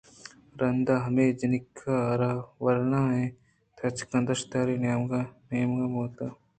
رندا ہمےجِنِکّ ءَ را ورنائیں بچکّے دِشتاری ءَ نامینگ بُوت